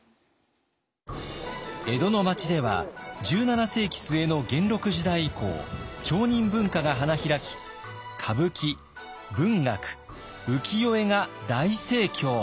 江戸の町では１７世紀末の元禄時代以降町人文化が花開き歌舞伎文学浮世絵が大盛況。